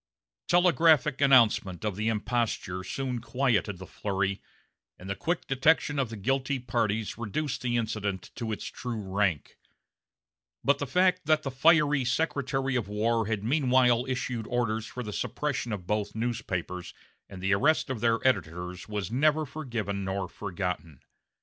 Telegraphic announcement of the imposture soon quieted the flurry, and the quick detection of the guilty parties reduced the incident to its true rank; but the fact that the fiery Secretary of War had meanwhile issued orders for the suppression of both newspapers and the arrest of their editors was neither forgiven nor forgotten.